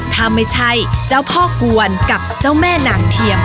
ถ้าไม่ใช่เจ้าพ่อกวนกับเจ้าแม่นางเทียม